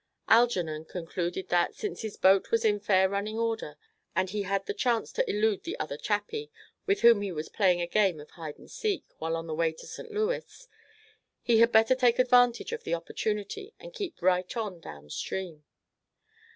Algernon concluded that, since his boat was in fair running order, and he had the chance to elude the other "chappie," with whom he was playing a game of hide and seek while on the way to St. Louis, he had better take advantage of the opportunity, and keep right on down stream.